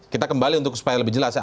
kita kembali untuk supaya lebih jelas ya